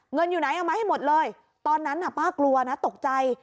อยู่ไหนเอามาให้หมดเลยตอนนั้นน่ะป้ากลัวนะตกใจ